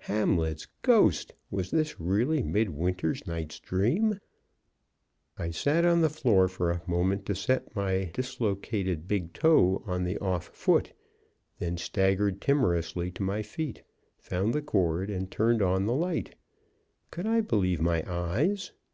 Hamlet's ghost! Was this really midwinter's night dream? I sat on the floor for a moment to set my dislocated big toe on the off foot, then staggered timorously to my feet, found the cord, and turned on the light. Could I believe my eyes?